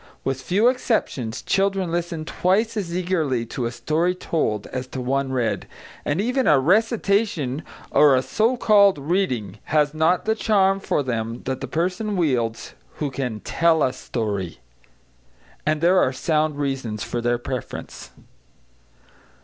With few exceptions, children listen twice as eagerly to a story told as to one read, and even a "recitation" or a so called "reading" has not the charm for them that the person wields who can "tell a story." And there are sound reasons for their preference.